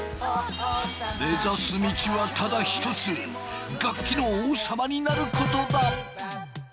目指す道はただ一つ楽器の王様になることだ！